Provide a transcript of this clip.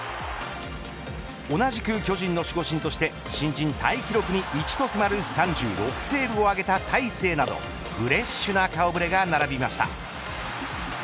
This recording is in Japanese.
同じく巨人の守護神として新人タイ記録に１と迫る３６セーブを挙げた大勢などフレッシュな顔触れが並びました。